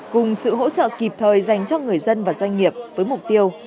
cùng sự hỗ trợ kịp thời dành cho người dân và doanh nghiệp với mục tiêu